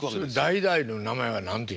代々の名前は何て言うんです？